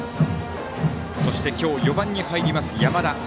そして今日４番に入ります山田。